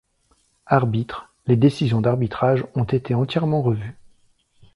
Arbitre: Les décisions d'arbitrage ont été entièrement revues.